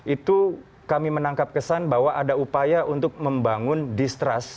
itu kami menangkap kesan bahwa ada upaya untuk membangun distrust